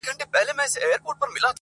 پلار له سترګو ځان پټوي